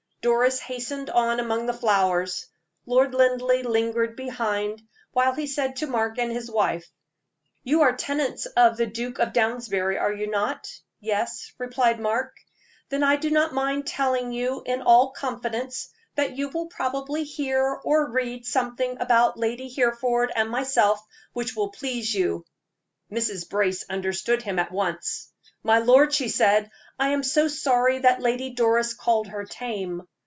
Doris hastened on among the flowers. Lord Linleigh lingered behind, while he said to Mark and his wife: "You are tenants of the Duke of Downsbury, are you not?" "Yes," replied Mark. "Then I do not mind telling you, in all confidence, that you will probably hear or read something about Lady Hereford and myself which will please you." Mrs. Brace understood him at once. "My lord," she said, "I am so sorry that Lady Doris called her tame."